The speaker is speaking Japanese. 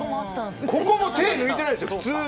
ここも手を抜いてないんです。